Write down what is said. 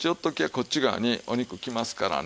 こっち側にお肉来ますからね」